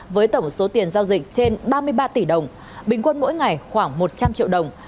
với tổng số tiền giao dịch trên ba mươi ba tỷ đồng bình quân mỗi ngày khoảng một trăm linh triệu đồng